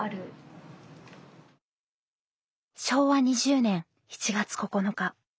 昭和２０年７月９日。